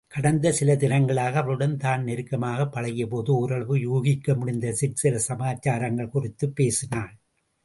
கடந்த சில தினங்களாக அவளுடன் தான் நெருக்கமாகப் பழகியபோது, ஓரளவு யூகிக்க முடிந்த சிற்சில சமாசாரங்கள் குறித்தும் பேசினாள்.